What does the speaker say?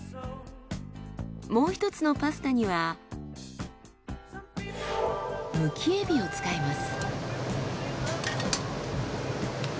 もう１つのパスタにはむきエビを使います。